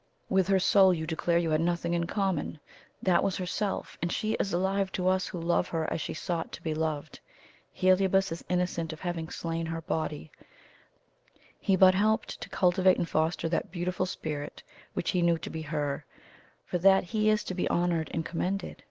With her soul, you declare you had nothing in common that was herself and she is alive to us who love her as she sought to be loved. Heliobas is innocent of having slain her body; he but helped to cultivate and foster that beautiful Spirit which he knew to be HER for that he is to be honored and commended.